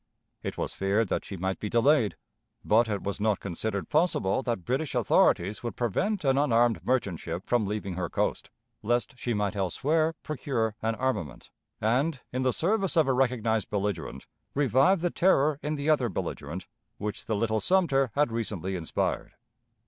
It was feared that she might be delayed; but it was not considered possible that British authorities would prevent an unarmed merchant ship from leaving her coast, lest she might elsewhere procure an armament, and, in the service of a recognized belligerent, revive the terror in the other belligerent which the little Sumter had recently inspired.